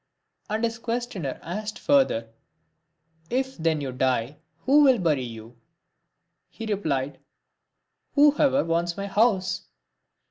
And as his questioner asked further, " If then you die, who will bury you?" He replied, "Who ever wants my house."